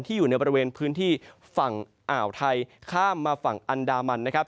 อยู่ในบริเวณพื้นที่ฝั่งอ่าวไทยข้ามมาฝั่งอันดามันนะครับ